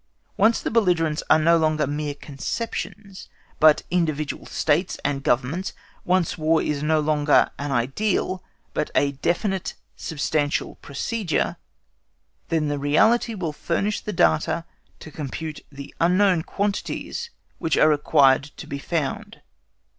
Once the belligerents are no longer mere conceptions, but individual States and Governments, once the War is no longer an ideal, but a definite substantial procedure, then the reality will furnish the data to compute the unknown quantities which are required to be found.